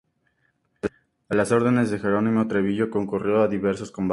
A las órdenes de Jerónimo Treviño concurrió a diversos combates.